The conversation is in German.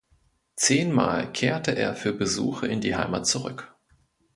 Zehnmal kehrte er für Besuche in die Heimat zurück.